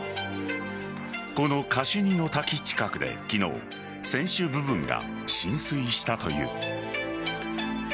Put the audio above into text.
このカシュ二の滝近くで昨日船首部分が浸水したという。